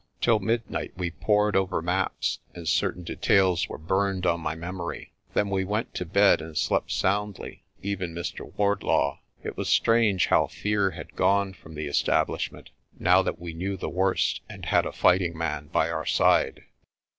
Till midnight we pored over maps, and certain details were burned on my memory. Then we went to bed and slept soundly, even Mr. Wardlaw. It was strange how fear had gone from the establishment, now that we knew the worst and had a fighting man by our side.